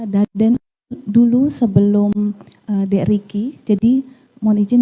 darden dulu sebelum drik jadi mohon izin